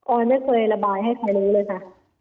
อยไม่เคยระบายให้ใครรู้เลยค่ะ